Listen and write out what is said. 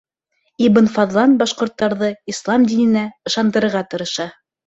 Ибн Фаҙлан башҡорттарҙы ислам диненә ышандырырға тырыша.